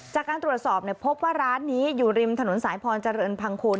จากการตรวจสอบพบว่าร้านนี้อยู่ริมถนนสายพรเจริญพังคูณ